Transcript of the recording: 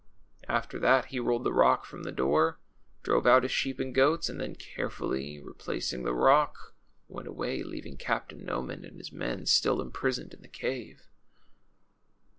After that he rolled the rock from the door, drove out his slieep and goats, and then, carefully re placing the rock, went away, leaving Captain Noman and his men still imprisoned in the cave.